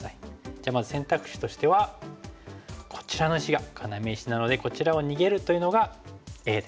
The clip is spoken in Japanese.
じゃあまず選択肢としてはこちらの石が要石なのでこちらを逃げるというのがＡです。